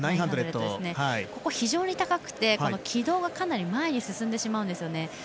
非常に高くて軌道がかなり前に進んでしまうんですね。